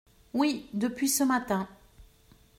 Oui, depuis ce matin.